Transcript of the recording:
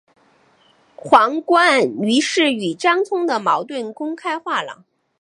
黄绾于是与张璁的矛盾公开化了。